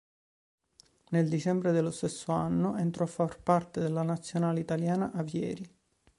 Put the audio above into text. Nel dicembre dello stesso anno entrò a far parte della Nazionale Italiana Avieri.